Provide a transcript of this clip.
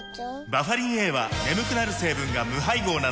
バファリンＡは眠くなる成分が無配合なんです